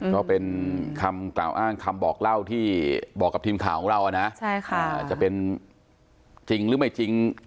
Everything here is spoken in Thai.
ก็เป็นคำกล่าวอ้างคำบอกเล่าที่บอกกับทีมข่าวของเรานะจะเป็นจริงหรือไม่จริง